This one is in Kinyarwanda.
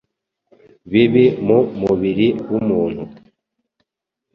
bibi mu mubiri w'umuntu